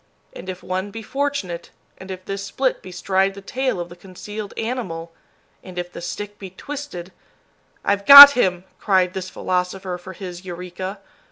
And if one be fortunate, and if this split bestride the tail of the concealed animal, and if the stick be twisted "I've got him!" cried this philosopher for his "Eureka."